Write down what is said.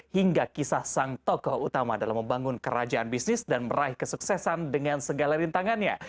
hingga kisah sang tokoh utama dalam membangun kerajaan bisnis dan meraih kesuksesan dengan segala rintangannya